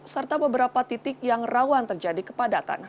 serta beberapa titik yang rawan terjadi kepadatan